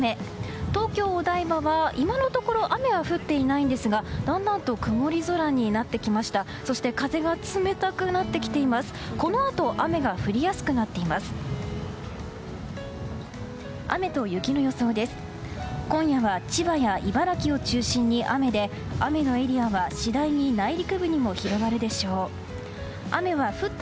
東京・お台場は今のところ雨は降っていないんですが、だんだん曇り空になってきました。